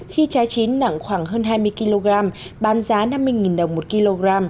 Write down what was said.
khi trái chín nặng khoảng hơn hai mươi kg bán giá năm mươi đồng một kg